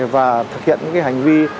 và thực hiện hành vi